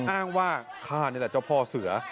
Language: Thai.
อ้างว่าข้านี่แหละเจ้าพ่อเสือ